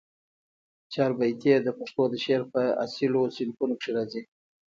چاربیتې د پښتو د شعر په اصیلو صنفونوکښي راځي